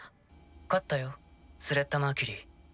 勝ったよスレッタ・マーキュリー。